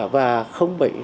và không phải